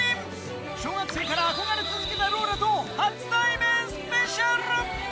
小学生から憧れ続けたローラと初対面スペシャル。